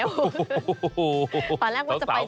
ตอนแรกว่าจะไป